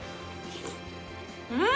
うん！